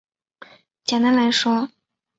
简单来说